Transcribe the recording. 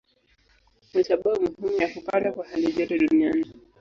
Ni sababu muhimu ya kupanda kwa halijoto duniani.